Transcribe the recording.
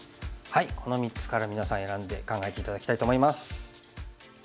この３つから皆さん選んで考えて頂きたいと思います。